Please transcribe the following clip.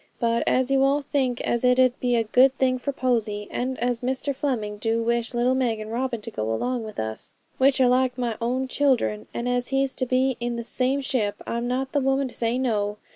But as you all think as it 'ud be a good thing for Posy, and as Mr Fleming do wish little Meg and Robin to go along with us, which are like my own children, and as he's to be in the same ship, I'm not the woman to say No.